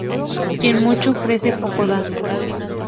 Quien mucho ofrece, poco da